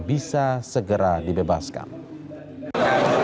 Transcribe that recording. bisa segera dibebaskan